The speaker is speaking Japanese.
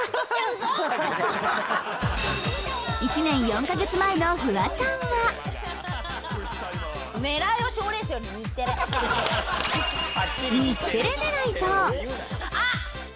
１年４ヶ月前のフワちゃんはあっ！